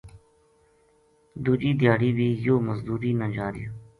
دوجی دھیاڑی بھی یوہ مزدوری نا جا رہیو